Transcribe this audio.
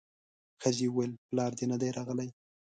ښځې وويل پلار دې نه دی راغلی.